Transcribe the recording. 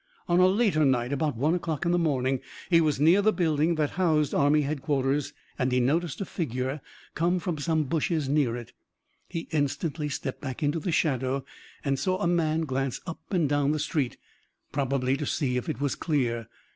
On a later night about one o'clock in the morning he was near the building that housed army headquarters, and he noticed a figure come from some bushes near it. He instantly stepped back into the shadow and saw a man glance up and down the street, probably to see if it was clear.